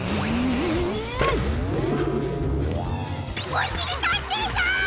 おしりたんていさん！